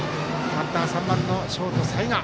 バッターは３番のショート、齊賀。